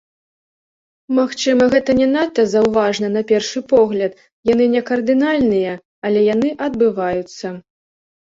Магчыма, гэта не надта заўважна на першы погляд, яны не кардынальныя, але яны адбываюцца.